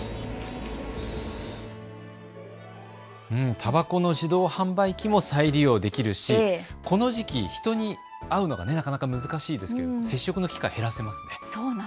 たばこの自動販売機の再利用もできるし、この時期、人に会うのはなかなか難しいですけれども接触の機会、減らせますね。